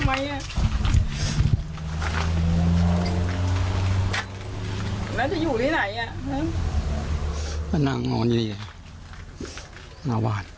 แล้วจะอยู่ที่ไหนอ่ะนั่งงอนอยู่นี่แหละหน้าวาด